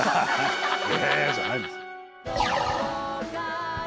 「ええ！」じゃないんですよ。